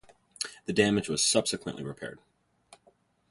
The damage was subsequently repaired.